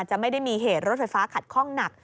จะไม่ได้มีเหตุรถไฟฟ้าขัดข้องหนัก